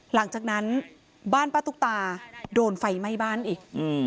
หลังจากนั้นบ้านป้าตุ๊กตาโดนไฟไหม้บ้านอีก